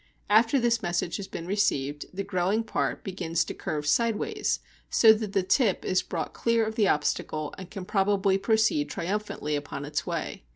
After this message has been received, the growing part begins to curve sideways, so that the tip is brought clear of the obstacle and can probably proceed triumphantly upon its way.